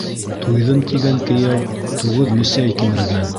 «Туйҙым» тигән кейәү туғыҙ мөсәй кимергән.